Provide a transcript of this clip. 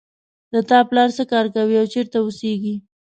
د تا پلار څه کار کوي او چېرته اوسیږي